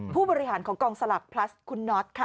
ผู้บริหารของกองสลักพลัสคุณน็อตค่ะ